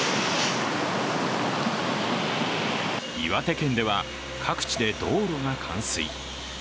岩手県では各地で道路が冠水。